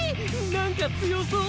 なんか強そう。